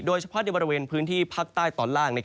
โดยเฉพาะในบริเวณพื้นที่ภาคใต้ตอนล่าง